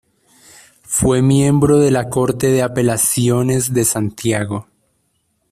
Fue miembro de la Corte de Apelaciones de Santiago.